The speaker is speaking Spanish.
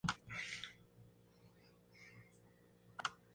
Fue ordenado sacerdote y viajó a Inglaterra, para orar y curar a los enfermos.